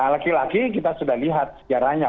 laki laki kita sudah lihat sejarahnya